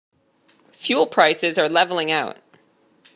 Fuel prices are leveling out.